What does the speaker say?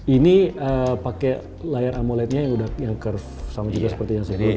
ini pakai layar amoled nya yang udah yang curve sama juga seperti yang sebelumnya